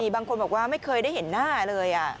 บางคนบอกว่าไม่เคยได้เห็นหน้าเลย